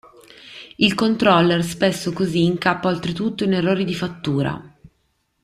Il controller spesso così incappa oltretutto in errori di fattura.